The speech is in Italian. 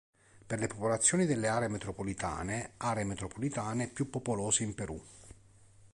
Per le popolazioni delle aree metropolitane: Aree metropolitane più popolose in Perù.